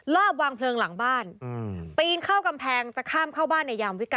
ลอบวางเพลิงหลังบ้าน